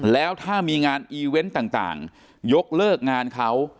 แล้วถ้ามีงานอีเวนต์ต่างยกเลิกงานเขา